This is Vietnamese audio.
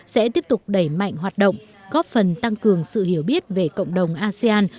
sẽ tiếp tục đẩy mạnh hoạt động góp phần tăng cường sự hiểu biết về cộng đồng asean